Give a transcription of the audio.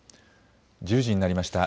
１０時になりました。